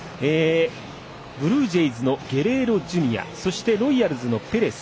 ブルージェイズのゲレーロＪｒ．そしてロイヤルズのペレス。